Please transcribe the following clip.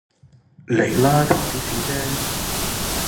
嚟啦，差少少啫